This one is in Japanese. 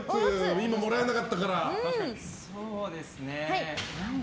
今、もらえなかったから。